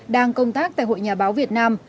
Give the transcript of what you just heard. đang công tác tại hội nhà báo việt nam